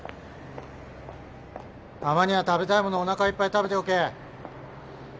たまには食べたいものおなかいっぱい食べておけ。